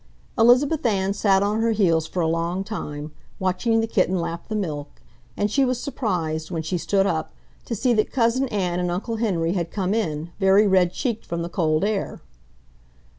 Elizabeth Ann sat on her heels for a long time, watching the kitten lap the milk, and she was surprised, when she stood up, to see that Cousin Ann and Uncle Henry had come in, very red cheeked from the cold air.